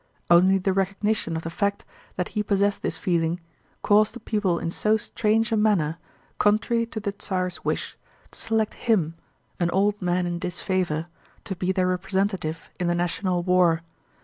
Only the recognition of the fact that he possessed this feeling caused the people in so strange a manner, contrary to the Tsar's wish, to select him—an old man in disfavor—to be their representative in the national war.